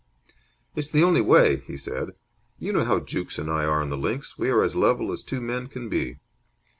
"It's the only way," he said. "You know how Jukes and I are on the links. We are as level as two men can be.